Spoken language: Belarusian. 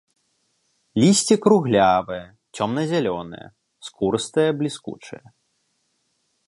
Лісце круглявае, цёмна-зялёнае, скурыстае, бліскучае.